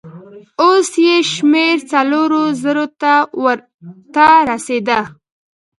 اوس يې شمېر څلورو زرو ته رسېده.